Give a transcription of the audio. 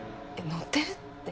乗ってるって。